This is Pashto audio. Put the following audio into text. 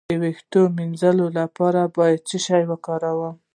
د ویښتو د مینځلو لپاره باید څه شی وکاروم؟